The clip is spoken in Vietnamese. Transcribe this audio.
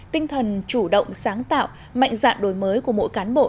tinh thần chủ động sáng tạo mạnh dạng đổi mới của mỗi cán bộ